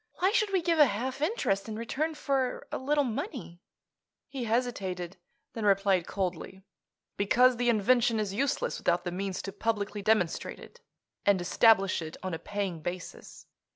Why should we give a half interest in return for a little money?" He hesitated; then replied coldly: "Because the invention is useless without the means to publicly demonstrate it, and establish it on a paying basis.